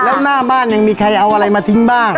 แล้วหน้าบ้านยังมีใครเอาอะไรมาทิ้งบ้าง